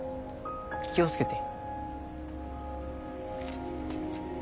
気を付けて。